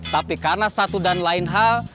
tapi karena satu dan lain hal